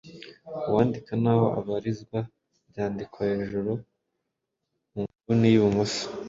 Uwandika n’aho abarizwa byandikwa hejuru mu nguni y’ibumoso